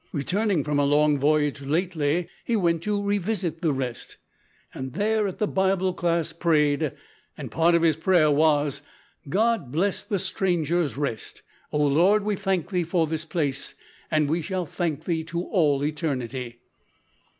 Returning from a long voyage lately, he went to revisit the Rest, and there, at the Bible class, prayed. Part of his prayer was `God bless the Strangers' Rest. O Lord, we thank Thee for this place, and we shall thank Thee to all eternity.'